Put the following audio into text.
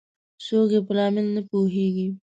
څوک یې په لامل نه پوهیږي